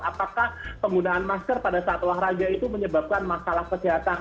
apakah penggunaan masker pada saat olahraga itu menyebabkan masalah kesehatan